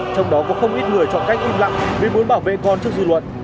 trong đó có không ít người chọn cách im lặng vì muốn bảo vệ con trước dư luận